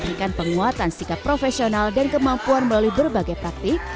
perancang busana akan diberikan penguatan sikap profesional dan kemampuan melalui berbagai praktik